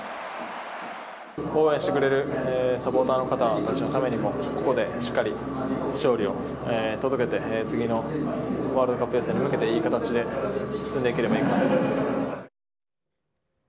応援してくれるサポーターの方たちのためにも、ここでしっかり勝利を届けて、次のワールドカップ予選に向けていい形で進んでいければいいかなと思います。